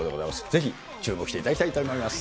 ぜひ、注目していただきたいと思います。